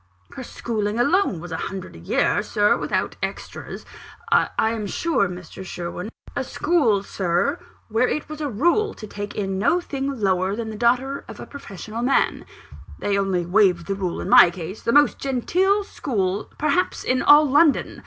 Her schooling alone was a hundred a year, Sir, without including extras " "I am sure, Mr. Sherwin "" A school, Sir, where it was a rule to take in no thing lower than the daughter of a professional man they only waived the rule in my case the most genteel school, perhaps, in all London!